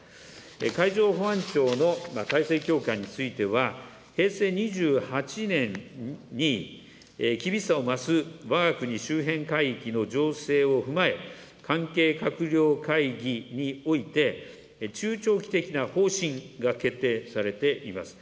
海上保安庁の体制強化については、平成２８年に厳しさを増すわが国周辺海域の情勢を踏まえ、関係閣僚会議において、中長期的な方針が決定されています。